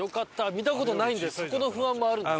見た事ないんでそこの不安もあるんですよ。